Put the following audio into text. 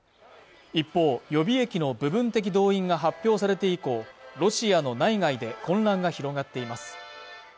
一方予備役の部分的動員が発表されて以降ロシアの内外で混乱が広がっています